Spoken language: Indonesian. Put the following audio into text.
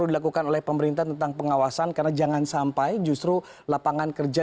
dilakukan oleh pemerintah tentang pengawasan karena jangan sampai justru lapangan kerja